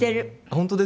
本当ですか？